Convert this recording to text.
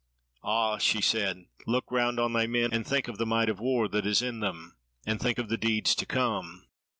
"Ah," she said, "look round on thy men, and think of the might of war that is in them, and think of the deeds to come.